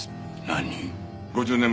何？